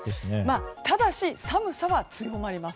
ただし、寒さは強まります。